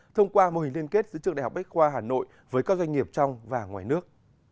thông qua mô hình liên kết giữa trường đại học bách khoa hà nội với các doanh nghiệp trong và ngoài nước